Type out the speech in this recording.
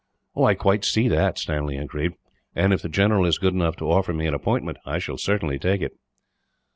"I quite see that," Stanley agreed, "and if the general is good enough to offer me an appointment, I shall certainly take it."